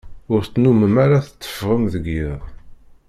Ur tennumem ara tetteffɣem deg iḍ.